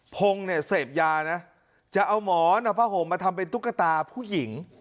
พงศ์เนี่ยเสพยานะจะเอาหมอนเอาผ้าห่มมาทำเป็นตุ๊กตาผู้หญิง